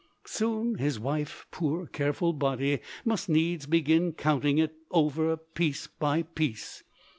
] Soon his wife, poor careful body, must needs begin counting it over piece by piece.